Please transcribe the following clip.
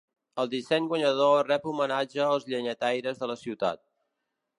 El disseny guanyador ret homenatge als llenyataires de la ciutat.